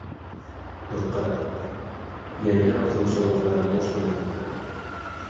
Diqqat: yangi hafta musobaqalari boshlanmoqda!